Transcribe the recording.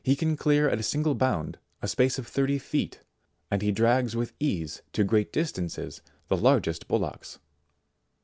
He can clear at a single bound, a space of thirty feet, and he drags with ease to great distances the largest bullocks.